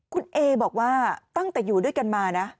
คุณเอบอกว่าตั้งแต่อยู่ด้วยกันมานะ